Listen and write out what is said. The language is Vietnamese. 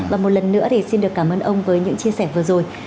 và một lần nữa thì xin được cảm ơn ông với những chia sẻ vừa rồi